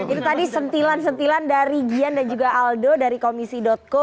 itu tadi sentilan sentilan dari gian dan juga aldo dari komisi co